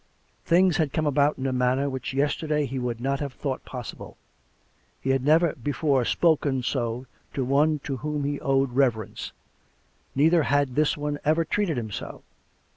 Things had come about in a manner which yesterday he would not have thought possible. He had never before spoken so to one to whom he owed reverence; neither had this one ever treated him so.